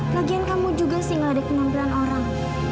lagian kamu juga sih nggak ada kenampilan orang